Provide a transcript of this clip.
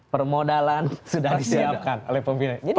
permodalan sudah disiapkan oleh pembina